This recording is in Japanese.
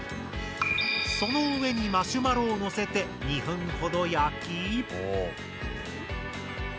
その上にマシュマロをのせて２分ほど焼き。